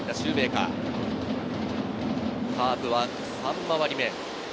カープは３回り目。